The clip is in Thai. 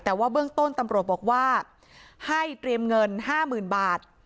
แต่ว่าเบื้องต้นตำรวจบอกว่าให้เตรียมเงิน๕๐๐๐บาท